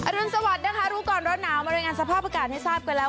รุนสวัสดิ์นะคะรู้ก่อนร้อนหนาวมารายงานสภาพอากาศให้ทราบกันแล้ว